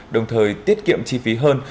đồng thời tiết kiệm chi phí hơn